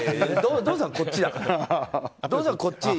ドンさんはこっちだから。